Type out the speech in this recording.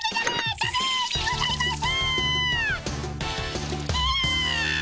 ダメにございます！